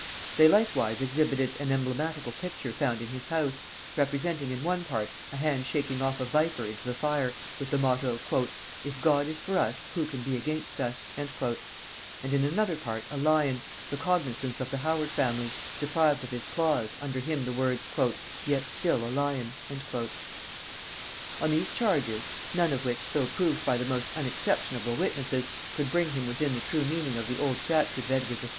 They likewise exhibited an emblematical picture found in his house, representing in one part a hand shaking off a viper into the fire, with the motto, "If God is for us who can be against us?" and in another part a lion, the cognisance of the Howard family, deprived of his claws, under him the words, "Yet still a lion." On these charges, none of which, though proved by the most unexceptionable witnesses, could bring him within the true meaning of the old statute of Edward III.